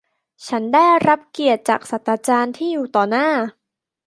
ฉันได้รับเกียรติจากศาสตราจารย์ที่อยู่ต่อหน้า